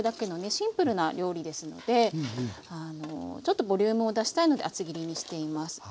シンプルな料理ですのでちょっとボリュームを出したいので厚切りにしています。